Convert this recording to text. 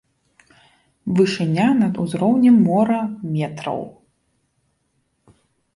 Вышыня над узроўнем мора метраў.